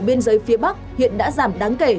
biên giới phía bắc hiện đã giảm đáng kể